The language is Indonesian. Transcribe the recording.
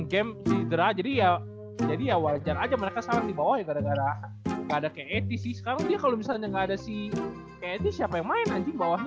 enam game di draw jadi ya wajar aja mereka salah di bawah ya gara gara gak ada ke delapan sih sekarang dia kalau misalnya gak ada si ke delapan siapa yang main anjing bawahnya